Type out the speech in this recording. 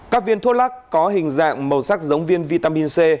các viên thuốc lắc có hình dạng màu sắc giống viên vitamin c